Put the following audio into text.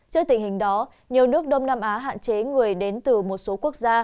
trước tình hình đó nhiều nước đông nam á hạn chế người đến từ một số quốc gia